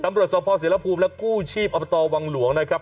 ตำรวจส่วนพ่อเสียหลักหุ้มและกู้ชีพอัพตรวังหลวงนะครับ